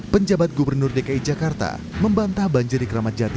penjabat gubernur dki jakarta membantah banjir di keramat jati